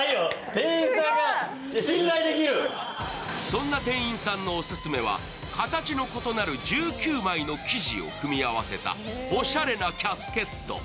そんな店員さんのオススメは形の異なる１９枚の生地を組み合わせたおしゃれなキャスケット。